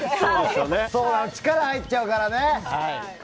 力が入っちゃうからね。